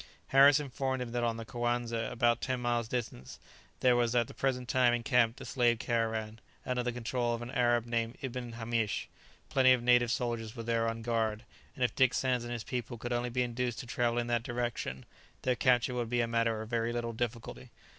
Harris informed him that on the Coanza, about ten miles distant, there was at the present time encamped a slave caravan, under the control of an Arab named Ibn Hamish; plenty of native soldiers were there on guard, and if Dick Sands and his people could only be induced to travel in that direction, their capture would be a matter of very little difficulty.